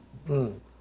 うん。